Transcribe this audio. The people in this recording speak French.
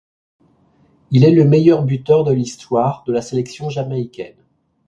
Il est le meilleur buteur de l'histoire de la sélection jamaïcaine.